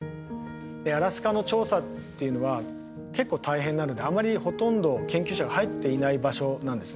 でアラスカの調査っていうのは結構大変なのであまりほとんど研究者が入っていない場所なんですね。